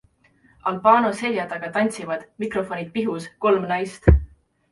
Al Bano selja taga tantsivad, mikrofonid pihus, kolm naist.